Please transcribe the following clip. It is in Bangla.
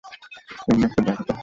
এগুলা একটু দেখো তো।